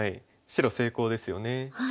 白成功ですよね。